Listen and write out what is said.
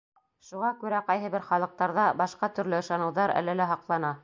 Шуға күрә ҡайһы бер халыҡтарҙа башҡа төрлө ышаныуҙар әле лә һаҡлана.